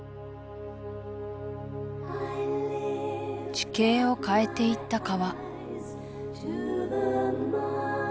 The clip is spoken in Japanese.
地形を変えていった川